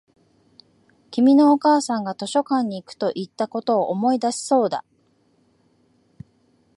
君のお母さんが図書館に行くと言ったことを思い出したそうだ